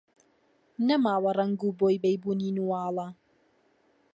نەماوە ڕەنگ و بۆی بەیبوونی نواڵە